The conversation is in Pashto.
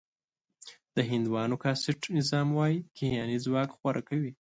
د هندوانو کاسټ نظام وايي کیهاني ځواک غوره کوي.